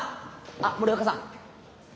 あっ森若さん。